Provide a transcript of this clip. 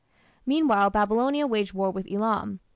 Meanwhile Babylonia waged war with Elam.